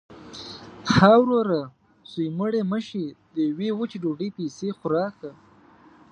– ها وروره! زوی مړی مه شې. د یوې وچې ډوډۍ پیسې خو راکه.